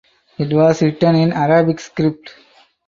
It was written in Arabic script.